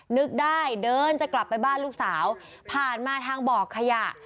นึกได้เดินจะกลับไปบ้านลูกสาวผ่านมาทางบ่อขยะ